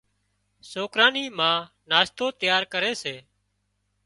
سوڪران نِي ما ناشتو تيار ڪري سي۔